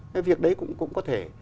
cái việc đấy cũng có thể